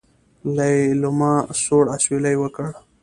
ليلما سوړ اسوېلی وکړ.